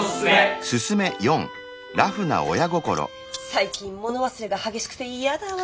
最近物忘れが激しくて嫌だわ。